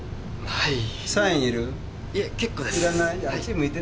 はい。